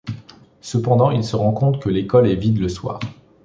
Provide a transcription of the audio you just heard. Cependant, il se rend compte que l'école est vide le soir.